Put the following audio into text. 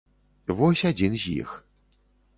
Вось адзін з іх.